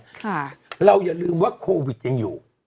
ค่ะเราอย่าลืมว่าโควิดยังอยู่